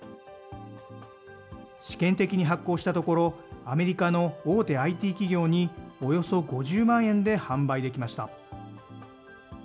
試験的に発行したところ、アメリカの大手ＩＴ企業に、およそ５０万円で販売できました。